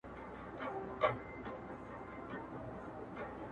هيڅ سياسي ايډيالوژي